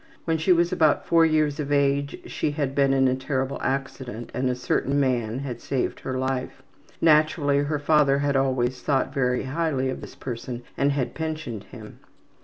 When she was about four years of age she had been in a terrible accident and a certain man had saved her life. Naturally, her father had always thought very highly of this person and had pensioned him.